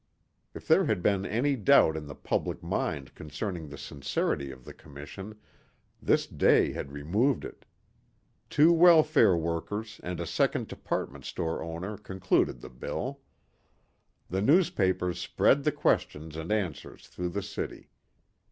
If there had been any doubt in the public mind concerning the sincerity of the Commission, this day had removed it. Two welfare workers and a second department store owner concluded the bill. The newspapers spread the questions and answers through the city.